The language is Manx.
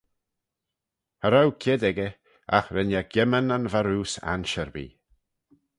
Cha row kied echey, agh ren eh gimman yn varroose ansherbee.